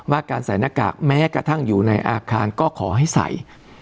การใส่หน้ากากแม้กระทั่งอยู่ในอาคารก็ขอให้ใส่